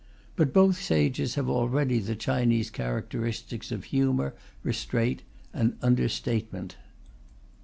But both sages have already the Chinese characteristics of humour, restraint, and under statement.